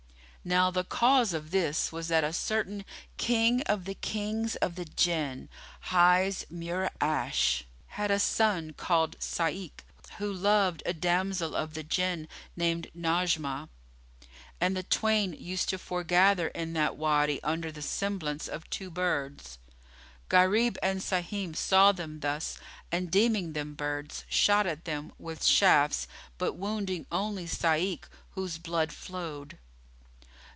Now the cause of this was that a certain King of the Kings of the Jinn, hight Mura'ash, had a son called Sá'ik, who loved a damsel of the Jinn, named Najmah;[FN#24] and the twain used to foregather in that Wady under the semblance of two birds. Gharib and Sahim saw them thus and deeming them birds, shot at them with shafts but wounding only Sa'ik whose blood flowed.